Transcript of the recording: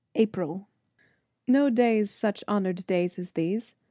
April No days such honored days as these!